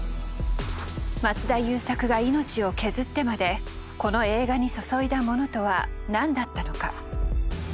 松田優作が命を削ってまでこの映画に注いだものとは何だったのか。